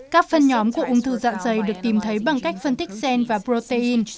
các phân nhóm của ung thư dạ dày được tìm thấy bằng cách phân tích cent và protein